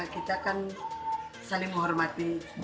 kita kan saling menghormati